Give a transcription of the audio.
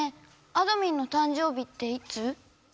あどミンの誕生日っていつ？